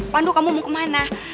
paduh kamu mau kemana